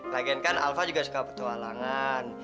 lagian kan alfa juga suka petualangan